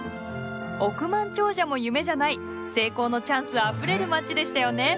億万長者も夢じゃない成功のチャンスあふれる街でしたよね？